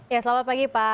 ya selamat pagi pak